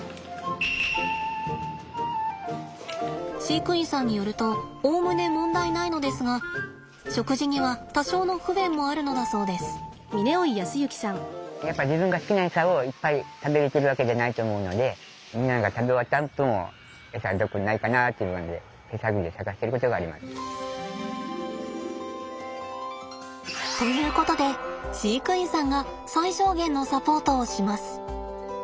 飼育員さんによるとおおむね問題ないのですが食事には多少の不便もあるのだそうです。ということで飼育員さんが最小限のサポートをします。